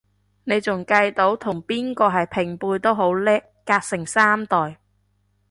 你仲計到同邊個係平輩都好叻，隔成三代